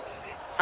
あ！